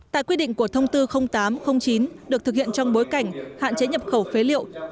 tại quy định của thông tư tám trăm linh chín được thực hiện trong bối cảnh hạn chế nhập khẩu phế liệu